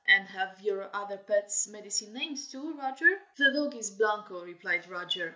And have your other pets, medicine names, too, Roger?" "The dog is Blanco," replied Roger.